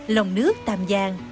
lòng nước tàm giang